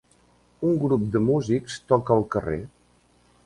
Un grup de músics toca al carrer